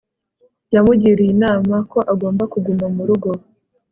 yamugiriye inama ko agomba kuguma mu rugo